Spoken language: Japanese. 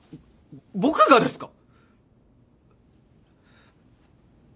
僕がですか？